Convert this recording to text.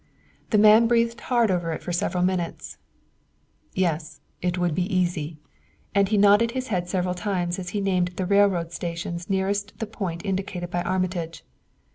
The man breathed hard over it for several minutes. "Yes; it would be easy," and he nodded his head several times as he named the railroad stations nearest the point indicated by Armitage.